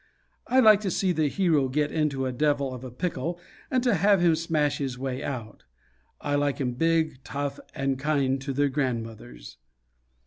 I like to see the hero get into a devil of a pickle, and to have him smash his way out. I like 'em big, tough, and kind to their grandmothers.